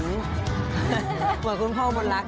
เหมือนคุณพ่อบนรัก